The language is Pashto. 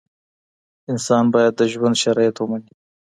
انسان باید د ژوند شرایط ومني.